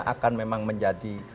akan memang menjadi